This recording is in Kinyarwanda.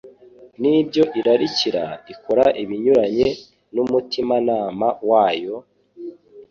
n'ibyo irarikira, ikora ibinyuranye n'umutimanama wayo,